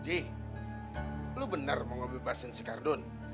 ji lu bener mau bebasin si kardun